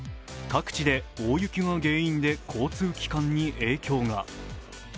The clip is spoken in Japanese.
各地で大雪が原因で交通機関に影響が。